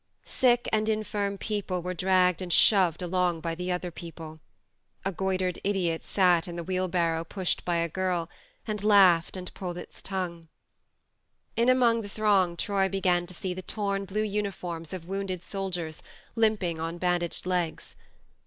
Sick and infirm people were dragged and sboved along by the older children : a goitred idiot sat in a wheel barrow pushed by a girl, and laughed and pulled its tongue. ... In among the throng Troy began to see the torn blue uniforms of wounded soldiers limping on bandaged legs.